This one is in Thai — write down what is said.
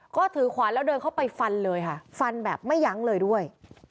ก็ถือขวานแล้วเดินเข้าไปฟันเลยค่ะฟันแบบไม่ยั้งเลยด้วย